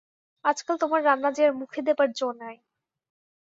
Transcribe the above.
আজকাল তোমার রান্না যে আর মুখে দেবার জো নাই।